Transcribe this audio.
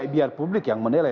biar publik yang menilai